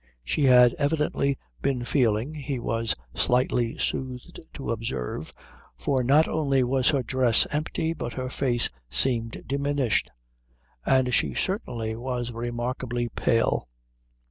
She had evidently been feeling, he was slightly soothed to observe, for not only was her dress empty but her face seemed diminished, and she certainly was remarkably pale.